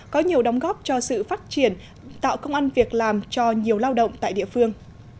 có nhiều đóng góp cho sự phát triển tạo công an việc làm cho nhiều lao động tại địa phương